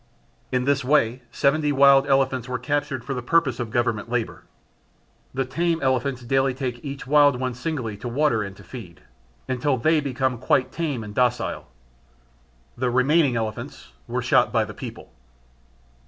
In this way seventy wild elephants were captured for the purpose of government labour. The tame elephants daily take each wild one singly to water and to feed, until they become quite tame and docile. The remaining elephants were shot by the people.